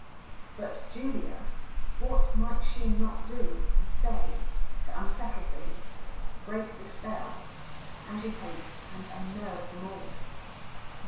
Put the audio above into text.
But Julia—what might she not do and say to unsettle things, break the spell, agitate and un¬ nerve them all?